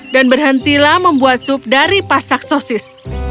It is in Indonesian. dan berhentilah membuat sup dari pasak sosis